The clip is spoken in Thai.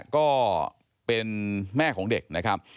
ก็เป็นแม่ของเด็กนะครับ